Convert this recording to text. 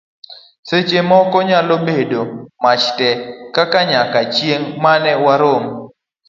seche moko nyalo bedo wach te, kaka; nyaka chieng' mane warom